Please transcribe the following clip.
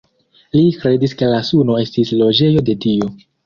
Li kredis ke la suno estis la loĝejo de Dio.